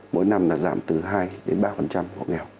mỗi năm giảm từ hai ba hộ nghèo